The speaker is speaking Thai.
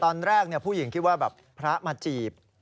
ตอนแรกผู้หญิงคิดว่าแบบพระมาจีบ